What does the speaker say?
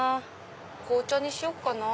紅茶にしよっかな。